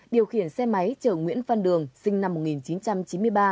điều khiển xe máy chở nguyễn văn đường sinh năm một nghìn chín trăm chín mươi ba